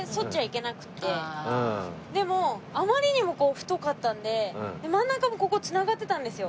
でもあまりにも太かったんで真ん中もここ繋がってたんですよ。